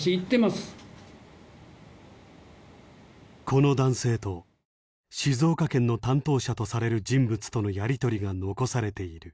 この男性と静岡県の担当者とされる人物とのやり取りが残されている。